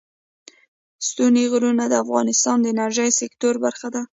ستوني غرونه د افغانستان د انرژۍ سکتور برخه ده.